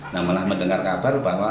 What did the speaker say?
nah pernah mendengar kabar bahwa